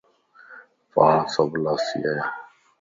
پاڻ سڀ لاسي ايان